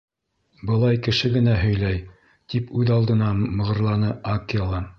Былай кеше генә һөйләй! — тип үҙ алдына мығырланы Акела.